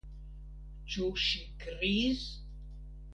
Ĉu ŝi kriis?